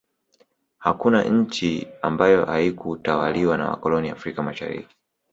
hakuna nchi ambayo haikutawaliwa na wakoloni afrika mashariki